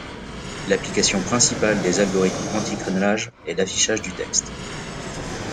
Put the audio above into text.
L'application principale des algorithmes anticrénelage est l'affichage du texte.